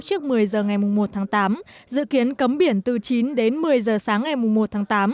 trước một mươi giờ ngày một tháng tám dự kiến cấm biển từ chín đến một mươi giờ sáng ngày một tháng tám